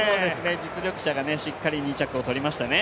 実力者がしっかり２着を取りましたね。